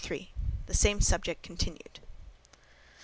THE SAME SUBJECT CONTINUED.